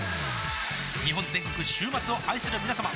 日本全国週末を愛するみなさま